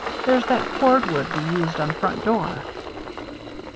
"There's that cord wood we used on the front door."